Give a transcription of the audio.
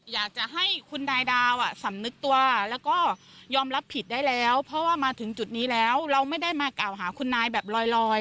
อยากจะให้คุณนายดาวสำนึกตัวแล้วก็ยอมรับผิดได้แล้วเพราะว่ามาถึงจุดนี้แล้วเราไม่ได้มากล่าวหาคุณนายแบบลอย